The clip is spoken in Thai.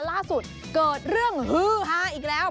ล่าสุดเกิดเรื่องฮือฮาอีกแล้ว